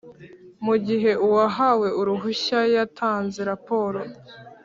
mu gihe uwahawe uruhushya yatanze raporo